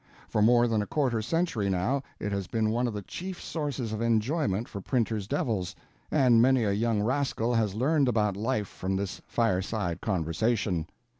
For more than a quarter century now it has been one of the chief sources of enjoyment for printers' devils; and many a young rascal has learned about life from this Fireside Conversation.